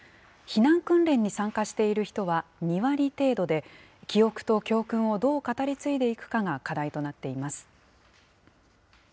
避難訓練に参加している人は２割程度で、記憶と教訓をどう語り継いでいくかが課題となっています。